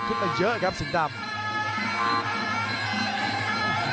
มาเยอะครับสิงห์ดำ